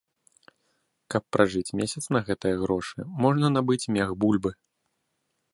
Каб пражыць месяц на гэтыя грошы, можна набыць мех бульбы!